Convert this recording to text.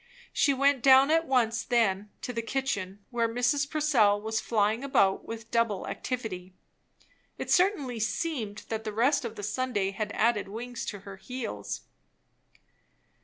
She went down at once then to the kitchen, where Mrs. Purcell was flying about with double activity. It certainly seemed that the rest of the Sunday had added wings to her heels.